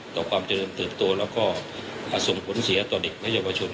ต่อความเจริญเติบโตแล้วก็ส่งผลเสียต่อเด็กและเยาวชน